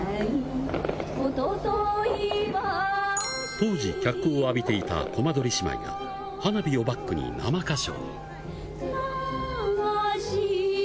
当時脚光を浴びていたこまどり姉妹が、花火をバックに生歌唱。